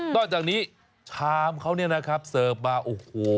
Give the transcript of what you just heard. จากนี้ชามเขาเนี่ยนะครับเสิร์ฟมาโอ้โห